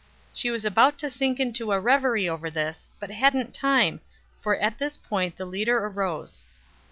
She was about to sink into a reverie over this, but hadn't time, for at this point the leader arose.